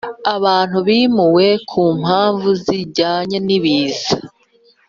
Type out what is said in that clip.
abantu bimuwe ku mpamvu zijyanye ni Ibiza